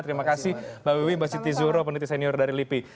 terima kasih mbak wiwi mbak siti zuhro peneliti senior dari lipi